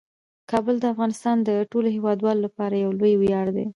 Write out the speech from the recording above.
کابل د افغانستان د ټولو هیوادوالو لپاره یو لوی ویاړ دی.